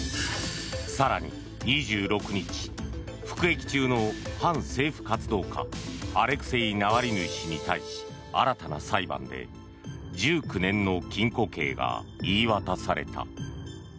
更に２６日服役中の反政府活動家アレクセイ・ナワリヌイ氏に対し新たな裁判で１９年の禁錮刑が言い渡された。